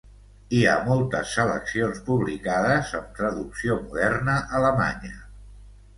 Hi ha moltes seleccions publicades amb traducció moderna alemanya.